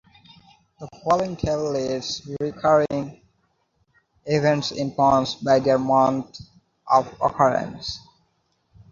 The following table lists recurring events in Ponce by their month of occurrence.